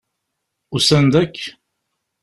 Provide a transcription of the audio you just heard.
Usan-d akk?